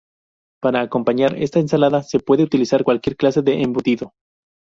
Para acompañar esta ensalada se puede utilizar cualquier clase de embutido.